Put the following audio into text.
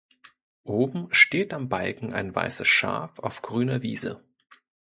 Oben steht am Balken ein weißes Schaf auf grüner Wiese.